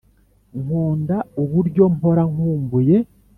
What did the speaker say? nkunda uburyo mpora nkumbuye